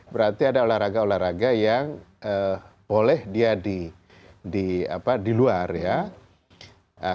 berarti ada olahraga olahraga yang boleh dia di luar ya